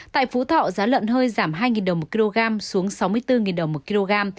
tại phú thọ giá lợn hơi giảm hai đồng một kg xuống sáu mươi bốn đồng một kg